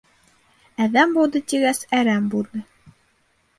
Әҙәм булды тигәс, әрәм булды.